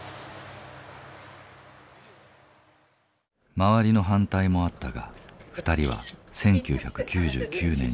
周りの反対もあったが２人は１９９９年に結婚。